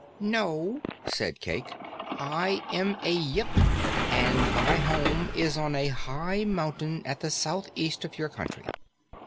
"No," said Cayke, "I am a Yip, and my home is on a high mountain at the southeast of your country."